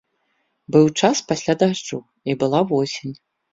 Быў час пасля дажджу, і была восень.